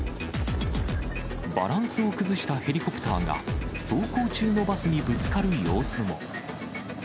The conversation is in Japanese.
バランスを崩したヘリコプターが、走行中のバスにぶつかる様子も。